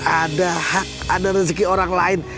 ada hak ada rezeki orang lain